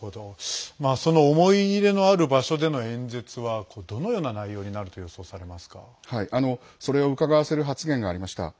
その思い入れのある場所での演説はどのような内容になるとそれをうかがわせる発言がありました。